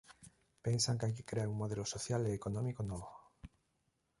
Pensan que hai que crear un modelo social e económico novo.